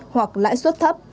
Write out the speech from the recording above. hoặc lãi suất thấp